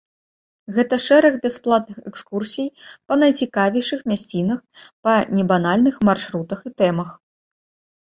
Гэта шэраг бясплатных экскурсій па найцікавейшых мясцінах, па небанальных маршрутах і тэмах.